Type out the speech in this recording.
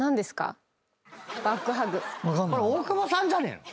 これ大久保さんじゃねえの？